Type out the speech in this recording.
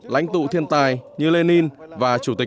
lãnh tụ thiên tài như lê ninh và trung ương